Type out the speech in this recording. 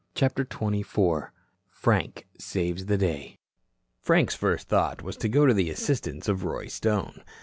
CHAPTER XXIV FRANK SAVES THE DAY Frank's first thought was to go to the assistance of Roy Stone.